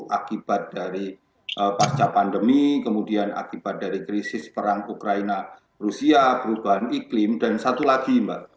akibat dari pasca pandemi kemudian akibat dari krisis perang ukraina rusia perubahan iklim dan satu lagi mbak